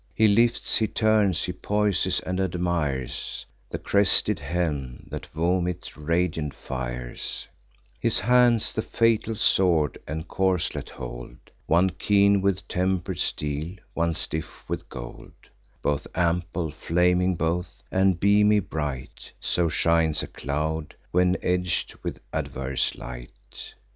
He lifts, he turns, he poises, and admires The crested helm, that vomits radiant fires: His hands the fatal sword and corslet hold, One keen with temper'd steel, one stiff with gold: Both ample, flaming both, and beamy bright; So shines a cloud, when edg'd with adverse light.